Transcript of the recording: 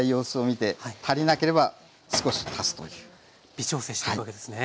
微調整していくわけですね。